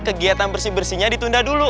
kegiatan bersih bersihnya ditunda dulu